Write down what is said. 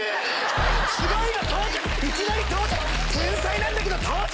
すごいな到着いきなり到着天才なんだけど到着！